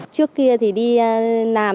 trước kia đi làm